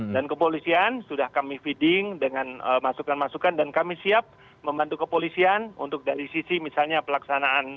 dan kepolisian sudah kami feeding dengan masukan masukan dan kami siap membantu kepolisian untuk dari sisi misalnya pelaksanaan